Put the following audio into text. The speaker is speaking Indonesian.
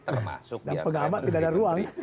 termasuk dan pengamat tidak ada ruang